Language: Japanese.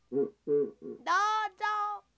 どうぞ。